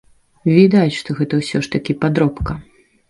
Відаць, што гэта ўсё ж такі падробка.